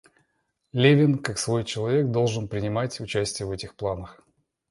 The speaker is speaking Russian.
Левин, как свой человек, должен был принимать участие в этих планах.